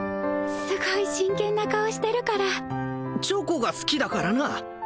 すごい真剣な顔してるからチョコが好きだからな！